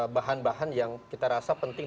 bahan bahan yang kita rasa penting